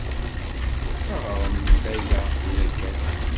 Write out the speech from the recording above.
Ɣṛem-d aya tura kan.